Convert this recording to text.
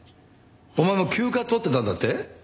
お前も休暇取ってたんだって？